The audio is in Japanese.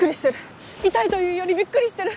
痛いというよりびっくりしてる。